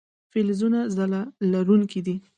فلزونه ځلا لرونکي دي.